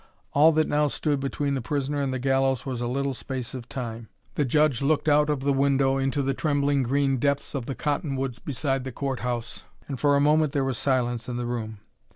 All that now stood between the prisoner and the gallows was a little space of time. The judge looked out of the window into the trembling green depths of the cottonwoods beside the court house, and for a moment there was silence in the room.